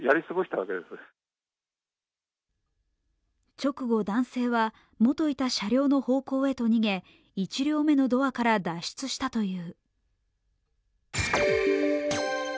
直後、男性は元いた車両の方向へと逃げ１両目のドアから脱出したという。